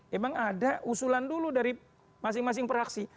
memang ada usulan dulu dari masing masing praksi